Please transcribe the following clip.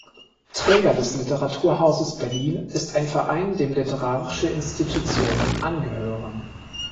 Träger des Literaturhauses Berlin ist ein Verein, dem literarische Institutionen angehören.